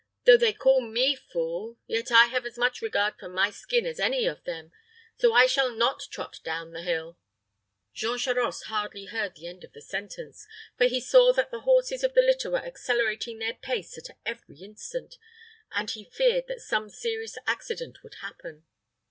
though they call me fool, yet I have as much regard for my skin as any of them; so I shall not trot down the hill." Jean Charost hardly heard the end of the sentence, for he saw that the horses of the litter were accelerating their pace at every instant, and he feared that some serious accident would happen.